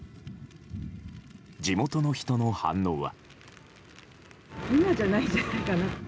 地元の人の反応は。